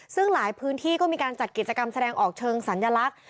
ซึ่งหลายพื้นที่ก็มีการจัดกิจกรรมแสดงออกเชิงสัญลักษณ์